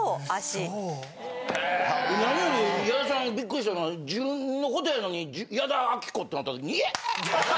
何より矢田さんびっくりしたのは自分のことやのに矢田亜希子ってなった時いえ！